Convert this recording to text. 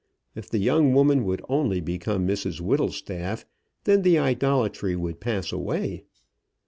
If the young woman would only become Mrs Whittlestaff, then the idolatry would pass away.